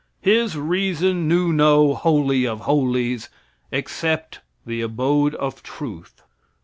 His reason knew no "Holy of Holies," except the abode of Truth.